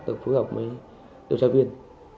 từng phối hợp với điều tra viên